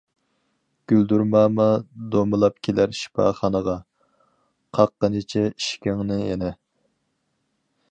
گۈلدۈرماما، دومىلاپ كېلەر شىپاخانىغا، قاققىنىچە ئىشىكىڭنى يەنە.